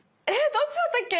どっちだったっけ？